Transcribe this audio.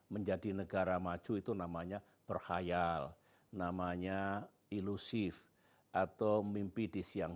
menjadi negara maju itu namanya berhayal namanya ilusif atau mimpi di siang